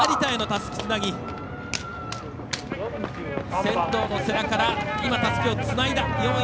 先頭の世羅からたすきをつないだ。